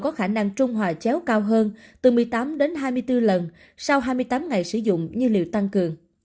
có khả năng trung hòa chéo cao hơn từ một mươi tám hai mươi bốn lần sau hai mươi tám ngày sử dụng như liều tăng cường